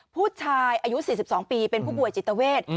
ผู้ชายอายุ๔๒ปีเป็นผู้ป่วยจิตเวท